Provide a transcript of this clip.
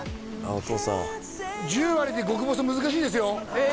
お父さん十割で極細難しいですよ